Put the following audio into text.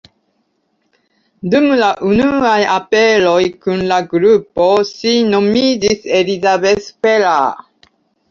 Dum la unuaj aperoj kun la grupo, ŝi nomiĝis Elisabeth Ferrer.